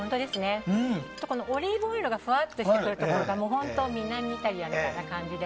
あと、オリーブオイルがふわっとしてくるところが本当に南イタリアみたいな感じで。